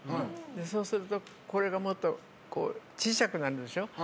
そうすると、これがもっと小さくなるでしょ。